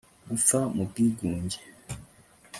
Gupfa mu bwigunge